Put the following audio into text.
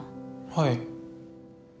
はい